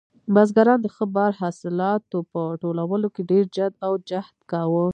بزګران د ښه بار حاصلاتو په ټولولو کې ډېر جد او جهد کاوه.